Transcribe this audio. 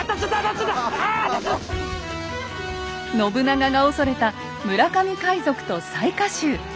信長が恐れた村上海賊と雑賀衆。